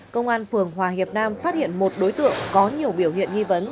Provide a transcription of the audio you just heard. công an phường hòa hiệp nam phát hiện một đối tượng có nhiều biểu hiện nghi vấn